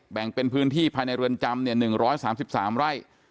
แบ่งเป็นพื้นที่ภายในเรือนจำ๑๓๓ไร่